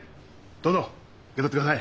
どうぞ受け取ってください。